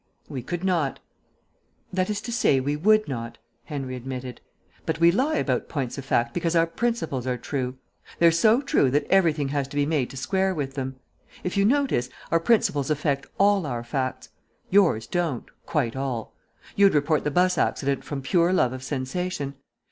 "We could not. That is to say, we would not," Henry admitted. "But we lie about points of fact because our principles are true. They're so true that everything has to be made to square with them. If you notice, our principles affect all our facts. Yours don't, quite all. You'd report the bus accident from pure love of sensation.